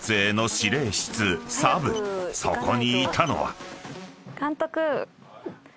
［そこにいたのは］